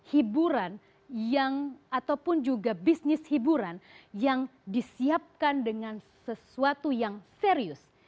hiburan yang ataupun juga bisnis hiburan yang disiapkan dengan sesuatu yang serius